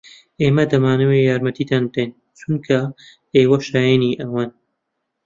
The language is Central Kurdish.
ئێمە دەمانەوێت یارمەتیتان بدەین چونکە ئێوە شایەنی ئەوەن.